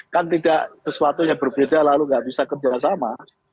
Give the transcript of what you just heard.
kan tidak sesuatu yang berbeda lalu nggak bisa kerjasama